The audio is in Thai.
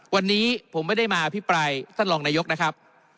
วันนี้ผมไม่ได้มาอภิปรายท่านรองนายกนะครับ